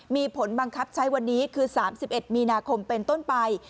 มีผลบังคับใช้วันนี้คือ๓๑มีนาคมเป็นต้นไป